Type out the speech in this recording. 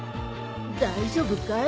大丈夫かい？